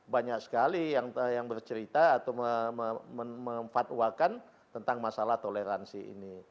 banyak sekali yang bercerita atau memfatwakan tentang masalah toleransi ini